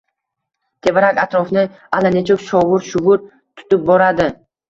Tevarak-atrofni allanechuk shovur-shuvur tutib boradi.